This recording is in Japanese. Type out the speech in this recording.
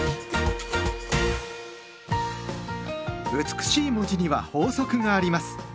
美しい文字には法則があります。